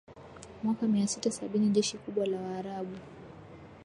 Mwaka Mia sita sabini jeshi kubwa la Waarabu